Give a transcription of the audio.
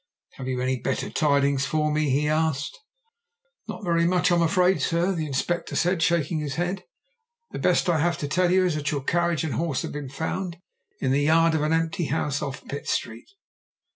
"Have you any better tidings for me?" he asked. "Not very much, I'm afraid, sir," the Inspector said, shaking his head. "The best I have to tell you is that your carriage and horse have been found in the yard of an empty house off Pitt Street."